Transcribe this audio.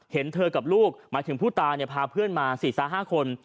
เห็นเธอกับลูกหมายถึงผู้ตาเนี่ยพาเพื่อนมาสี่สามห้าคน